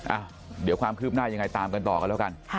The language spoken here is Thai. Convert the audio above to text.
อ่ะเดี๋ยวความคืบหน้ายังไงตามกันต่อกันแล้วกัน